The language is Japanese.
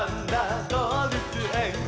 どうぶつえん」